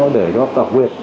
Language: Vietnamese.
để đo tạp quyền